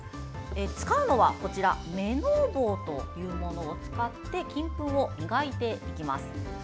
使うのはめのう棒というものを使って金粉を磨いていきます。